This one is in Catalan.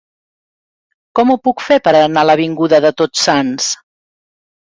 Com ho puc fer per anar a l'avinguda de Tots Sants?